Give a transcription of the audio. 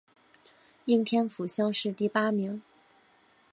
应天府乡试第八名。